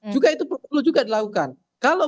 juga itu perlu juga dilakukan kalau